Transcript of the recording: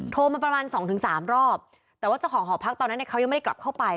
โทรมาประมาณสองถึงสามรอบแต่ว่าเจ้าของหอพักตอนนั้นเนี่ยเขายังไม่ได้กลับเข้าไป